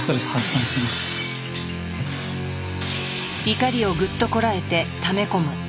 怒りをぐっとこらえてため込む。